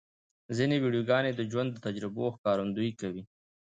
ځینې ویډیوګانې د ژوند د تجربو ښکارندویي کوي.